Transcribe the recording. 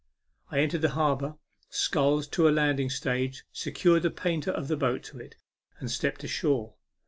I entered the harbour, sculled to a landing stage, secured the painter of the boat to it, and stepped ashore.